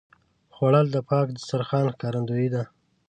خوړل د پاک دسترخوان ښکارندویي ده